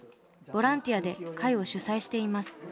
ボランティアで会を主催しています。